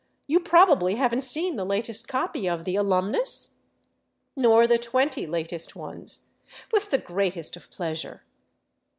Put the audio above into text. You probably haven't seen the latest copy of the * Alumnus '?"" Nor the twenty latest ones. With the greatest of pleasure."